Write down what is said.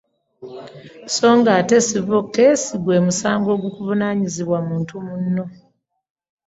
Songa ate “civil case” gw’emusango ogukuvunaanwa muntu muno.